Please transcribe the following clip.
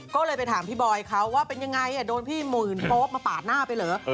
ก็เลยไปถามพี่บอยเขาว่าเป็นยังไงโดนพี่หมื่นโป๊ปมาปาดหน้าไปเหรอ